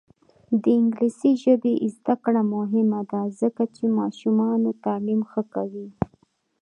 د انګلیسي ژبې زده کړه مهمه ده ځکه چې ماشومانو تعلیم ښه کوي.